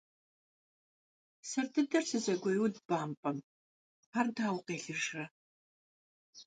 Сэр дыдэр сызэгуеуд бампӏэм, ар дауэ къелыжрэ.